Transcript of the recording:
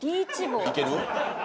いける！？